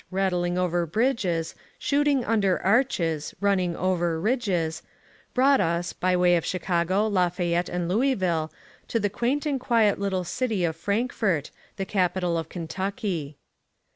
Rattling over bridges, Shooting under arches, Running over ridges," brought us, by way of Chicago, Lafayette, and Louis ville, to the quaint and quiet little city of Frankfort, the capital of Kentucky.